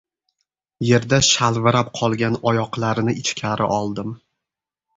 Yerda shalvirab qolgan oyoqlarini ichkari oldim.